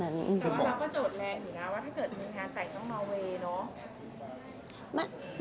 เราก็โจทย์แรกหนึ่งนะว่าถ้าเกิดมีงานใส่ต้องมาเวเนอะ